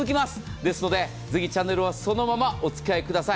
ですのでぜひチャンネルはそのままお使いください。